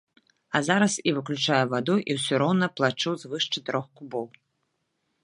А зараз і выключаю ваду, і ўсё роўна плачу звыш чатырох кубоў.